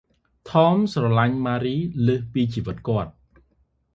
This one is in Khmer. ថម ស្រលាញ់ ម៉ារី លើសពីជីវិតគាត់ ។